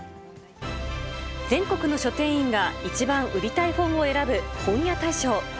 全国の書店員が一番売りたい本を選ぶ本屋大賞。